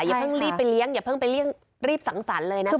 อย่าเพิ่งรีบไปเลี้ยงอย่าเพิ่งไปรีบสังสรรค์เลยนะคะ